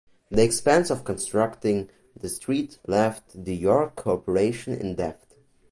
The expense of constructing the street left the York Corporation in debt.